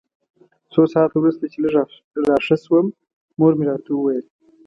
څو ساعته وروسته چې لږ راښه شوم مور مې راته وویل.